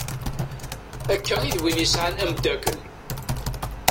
Akka i d win yesɛan amddakel.